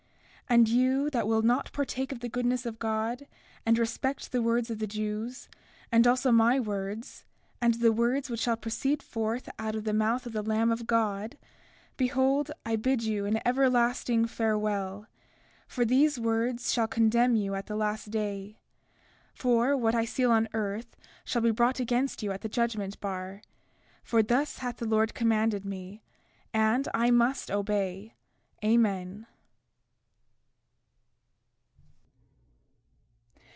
33:14 And you that will not partake of the goodness of God, and respect the words of the Jews, and also my words, and the words which shall proceed forth out of the mouth of the Lamb of God, behold, I bid you an everlasting farewell, for these words shall condemn you at the last day. 33:15 For what I seal on earth, shall be brought against you at the judgment bar; for thus hath the Lord commanded me, and I must obey. Amen.